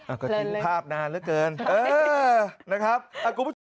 อ้าวก็ถึงภาพนานเหลือเกินเออนะครับอ่ะกูไม่ชอบ